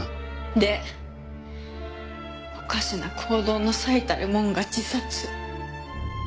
でおかしな行動の最たるもんが自殺。